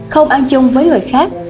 không ăn chung với người khác